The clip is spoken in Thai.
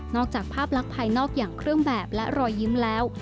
จากภาพลักษณ์ภายนอกอย่างเครื่องแบบและรอยยิ้มแล้ว